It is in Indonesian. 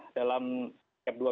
iya ini angka yang kita kumpulkan